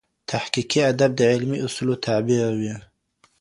تحقیقي ادب د علمي اصولو تابع وي.